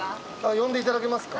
呼んでいただけますか？